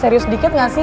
serius dikit gak sih